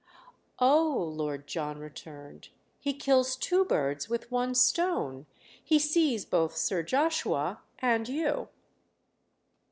"Oh," Lord John returned, "he kills two birds with one stone—he sees both Sir Joshua and you."